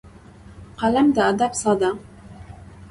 قلم د ادب ساه ده